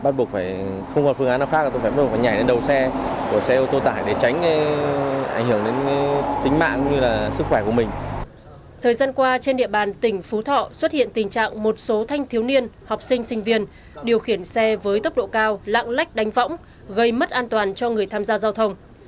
thời gian qua trên địa bàn tỉnh phú thọ xuất hiện tình trạng một số thanh thiếu niên học sinh sinh viên điều khiển xe với tốc độ cao lạng lách đánh võng gây mất an toàn cho người tham gia giao thông